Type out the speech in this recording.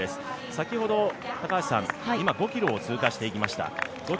先ほど、今５ｋｍを通過していきました。